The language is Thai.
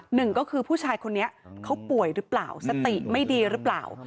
หนึ่งก็คือผู้ชายคนนี้เขาป่วยหรือเปล่าสติไม่ดีหรือเปล่า